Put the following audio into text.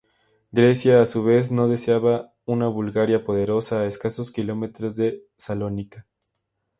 Grecia, a su vez, no deseaba una Bulgaria poderosa a escasos kilómetros de Salónica.